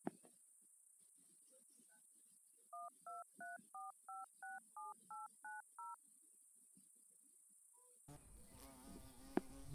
Nzα̌ sǎt mfen mbαmαlahā lά pά mbǎk lα nʉ́ά si lō zeʼê le bα nduα yáʼ bᾱ mʉnsēn.